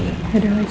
udah ya ini sih